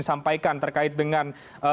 sampaikan terkait dengan